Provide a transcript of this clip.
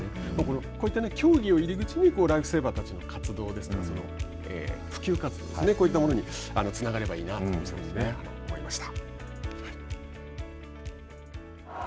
こういった競技を入り口にライフセーバーたちの普及活動ですねこういったものにつながればいいなと思いました。